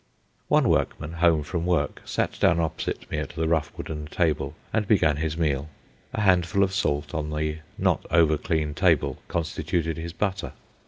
One workman, home from work, sat down opposite me at the rough wooden table, and began his meal. A handful of salt on the not over clean table constituted his butter.